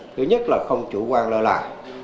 thứ nhất là không chủ quan lỡ lại